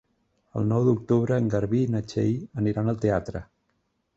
El nou d'octubre en Garbí i na Txell aniran al teatre.